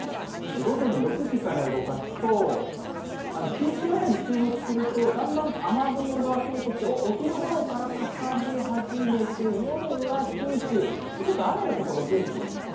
午前６時から動かすと、九州辺りに注目すると、だんだん雨雲が増えてきて、お昼ごろからかかり始めて、夜は九州、ちょっと雨の所増えてくるんですね。